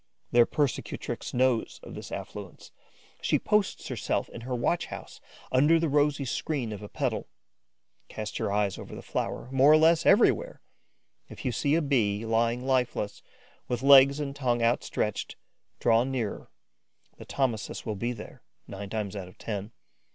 Their persecutrix knows of this affluence. She posts herself in her watch house, under the rosy screen of a petal. Cast your eyes over the flower, more or less everywhere. If you see a Bee lying lifeless, with legs and tongue out stretched, draw nearer: the Thomisus will be there, nine times out of ten.